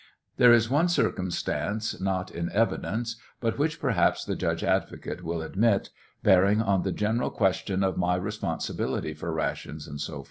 There is one circumstance, not in evidence, but which perhaps the judge ad vocate will admit, bearing on the general question of ray responsibility for rations, &c.